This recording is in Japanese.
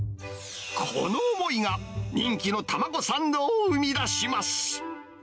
この思いが、人気の卵サンドを生み出します。